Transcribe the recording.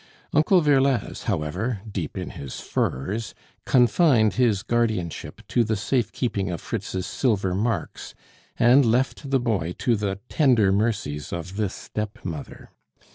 Uncle Virlaz, however, deep in his furs, confined his guardianship to the safe keeping of Fritz's silver marks, and left the boy to the tender mercies of this stepmother.